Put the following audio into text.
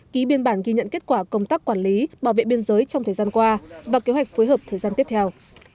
ký biên bản ghi nhận kết quả công tác quản lý bảo vệ biên giới trong thời gian qua và kế hoạch phối hợp thời gian tiếp theo